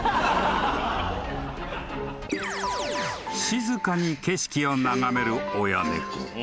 ［静かに景色を眺める親猫］